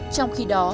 trong khi đó